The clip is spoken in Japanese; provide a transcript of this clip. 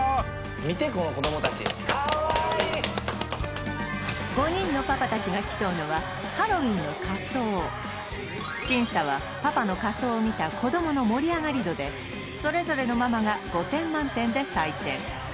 見てこの子供達５人のパパ達が競うのはハロウィンの仮装審査はパパの仮装を見た子供の盛り上がり度でそれぞれのママが５点満点で採点